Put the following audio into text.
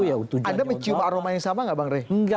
anda mencium aroma yang sama nggak bang rey